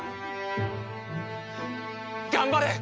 頑張れ！